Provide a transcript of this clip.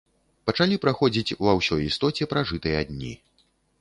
Пачалі праходзіць ва ўсёй істоце пражытыя дні.